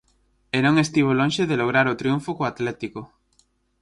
E non estivo lonxe de lograr o triunfo co Atlético.